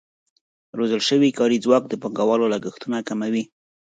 روزل شوی کاري ځواک د پانګوالو لګښتونه کموي.